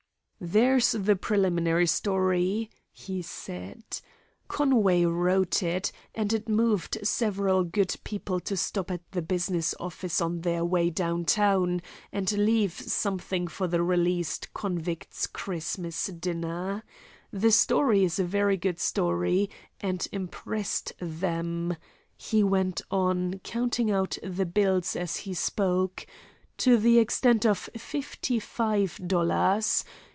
"There's the preliminary story," he said. "Conway wrote it, and it moved several good people to stop at the business office on their way down town and leave something for the released convict's Christmas dinner. The story is a very good story, and impressed them," he went on, counting out the bills as he spoke, "to the extent of fifty five dollars.